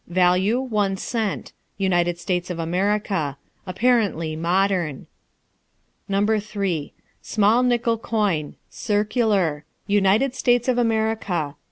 Value one cent. United States of America. Apparently modern. No. 3. Small nickel coin. Circular. United States of America.